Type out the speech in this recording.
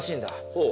ほう。